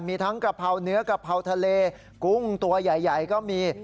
มีทั้งกะเพราเนื้อกะเพราทะเลกุ้งตัวใหญ่ก็มี